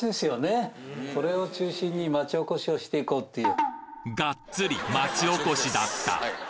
これを中心に街おこしをしていこうっていう。